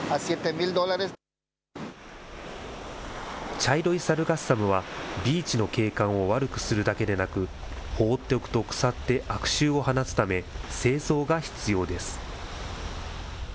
茶色いサルガッサムは、ビーチの景観を悪くするだけでなく、放っておくと腐って悪臭を放つため、清掃が必要です。